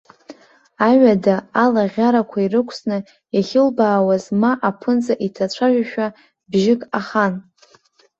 Аҩада, алаӷьарақәа ирықәсны иахьылбаауаз, ма, аԥынҵа иҭацәажәошәа бжьык ахан.